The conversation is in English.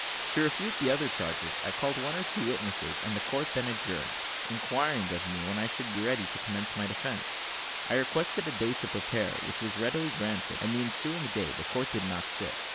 To refute the other charges I called one or two witnesses, and the court then adjourned, inquiring of me when I would be ready to commence my defence. I requested a day to prepare, which was readily granted; and the ensuing day the court did not sit.